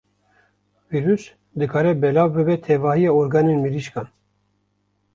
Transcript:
Vîrus dikare belav bibe tevahiya organên mirîşkan.